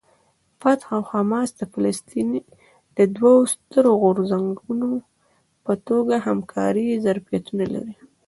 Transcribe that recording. فتح او حماس د فلسطین د دوو سترو غورځنګونو په توګه همکارۍ ظرفیتونه لري.